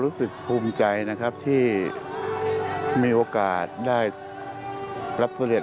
รู้สึกภูมิใจนะครับที่มีโอกาสได้รับทุเรียน